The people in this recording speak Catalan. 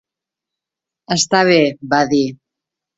"Està bé", va dir.